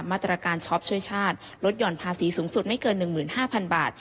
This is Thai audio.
มาตรการช็อปช่วยชาติลดหย่อนภาษีสูงสุดไม่เกินหนึ่งหมื่นห้าพันบาท